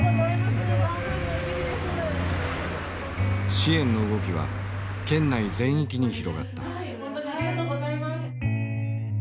支援の動きは県内全域に広がった。